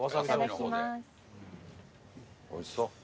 おいしそう。